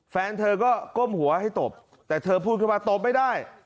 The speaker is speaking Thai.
แฟนเธอก็ก้มหัวให้ตบแต่เธอพูดขึ้นมาตบไม่ได้